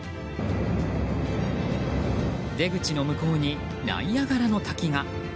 出口の向こうにナイアガラの滝が。